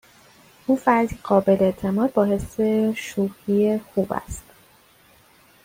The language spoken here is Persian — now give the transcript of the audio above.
او فردی قابل اعتماد با حس شوخی خوب است.